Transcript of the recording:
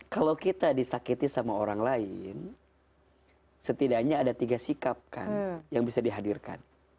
kalau kita disakiti sama orang lain setidaknya ada tiga sikap kan yang bisa dihadirkan